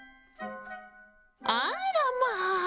あらまあ！